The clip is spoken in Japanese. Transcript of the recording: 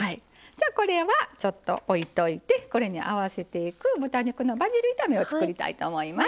これはちょっと置いといてこれに合わせていく豚肉のバジル炒めを作りたいと思います。